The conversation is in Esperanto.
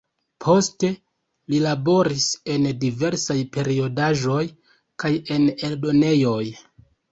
Poste li laboris en diversaj periodaĵoj, kaj en eldonejoj.